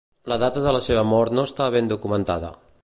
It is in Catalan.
La data de la seva mort no està ben documentada.